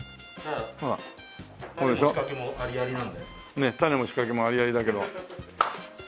ねっタネも仕掛けもありありだけど。